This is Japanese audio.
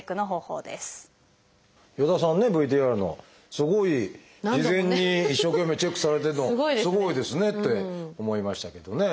すごい事前に一生懸命チェックされてるのすごいですねって思いましたけどね。